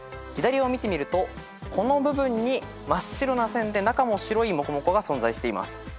左を見てみるとこの部分に真っ白な線で中も白いもこもこが存在しています。